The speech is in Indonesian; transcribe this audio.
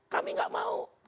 kami gak mau